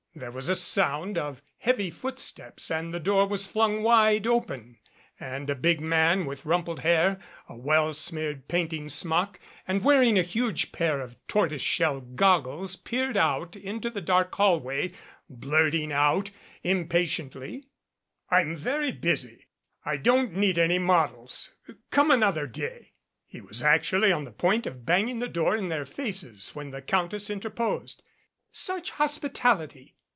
There was a sound of heavy footsteps and the door was flung open wide and a big man with rumpled hair, a well smeared painting smock and wearing a huge pair of tortoise shell goggles peered out into the dark hall way, blurting out impatiently, 11 MADCAP "I'm very busy. I don't need any models. Come an other day " He was actually on the point of banging the door in their faces when the Countess interposed. "Such hospitality!"